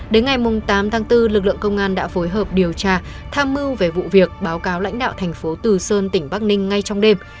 đến ngày tám tháng bốn lực lượng công an đã phối hợp điều tra tham mưu về vụ việc báo cáo lãnh đạo thành phố từ sơn tỉnh bắc ninh ngay trong đêm